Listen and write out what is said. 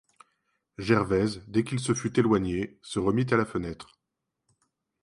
Gervaise, dès qu'il se fut éloigné, se remit à la fenêtre.